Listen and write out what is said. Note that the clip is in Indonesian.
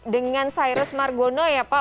dengan cyrus margono ya pak